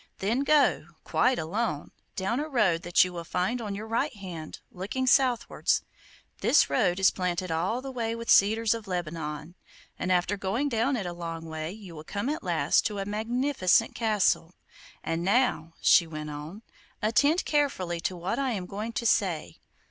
Then go, quite alone, down a road that you will find on your right hand, looking southwards. This road is planted all the way with cedars of Lebanon; and after going down it a long way you will come at last to a magnificent castle. And now,' she went on, 'attend carefully to what I am going to say.